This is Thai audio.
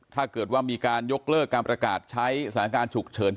ถ้าเกิดว่ามีการยกเลิกการประกาศใช้สถานการณ์ฉุกเฉิน